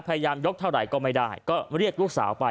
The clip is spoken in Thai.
พยายามยกเท่าไหร่ก็ไม่ได้ก็เรียกลูกสาวไป